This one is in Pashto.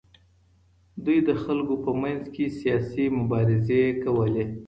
دوی د خلګو په منځ کي سياسي مبارزې کولې.